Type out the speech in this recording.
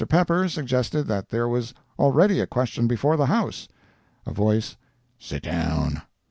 Pepper suggested that there was already a question before the house. [A voice "Sit down."